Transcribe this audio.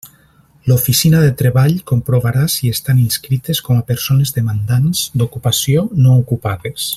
L'oficina de Treball comprovarà si estan inscrites com a persones demandants d'ocupació no ocupades.